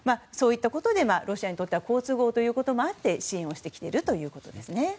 そういったことでロシアにとっては好都合ということもあって支援をしてきているということですね。